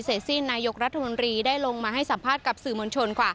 เสร็จสิ้นนายกรัฐมนตรีได้ลงมาให้สัมภาษณ์กับสื่อมวลชน